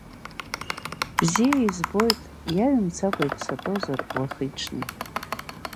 Бзиа избоит, иаҩымцакәа иԥсатозар уахи-ҽни.